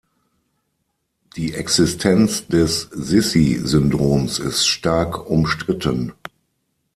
Die Existenz des Sissi-Syndroms ist stark umstritten.